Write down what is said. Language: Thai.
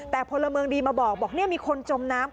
แต่พลเมืองดีมาบอกบอกมีคนจมน้ำ